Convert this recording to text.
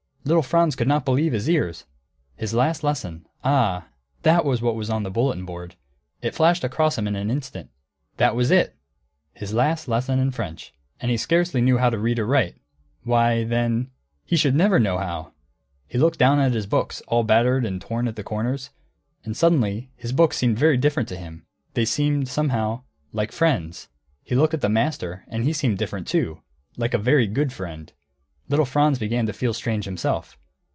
_ Little Franz could not believe his ears; his last lesson ah, that was what was on the bulletin board! It flashed across him in an instant. That was it! His last lesson in French and he scarcely knew how to read and write why, then, he should never know how! He looked down at his books, all battered and torn at the corners; and suddenly his books seemed quite different to him, they seemed somehow like friends. He looked at the master, and he seemed different, too, like a very good friend. Little Franz began to feel strange himself.